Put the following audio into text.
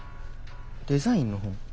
デザインの本？